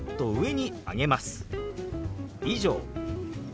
「以上」。